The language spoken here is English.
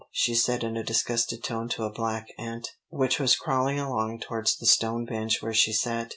she said in a disgusted tone to a black ant, which was crawling along towards the stone bench where she sat.